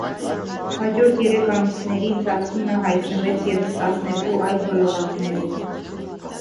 Հաջորդ երեք ամիսների ընթացքում նա հայտնվեց ևս տասներկու այլ հոլովակներում։